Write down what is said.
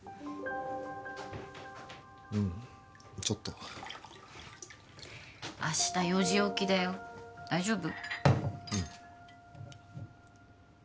うんちょっと明日４時起きだよ大丈夫？